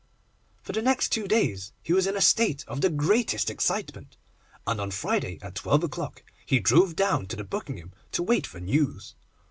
For the next two days he was in a state of the greatest excitement, and on Friday at twelve o'clock he drove down to the Buckingham to wait for news.